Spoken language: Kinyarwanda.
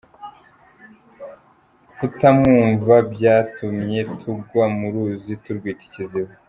Kutamwumva byatumye tugwa mu ruzi turwita ikiziba.”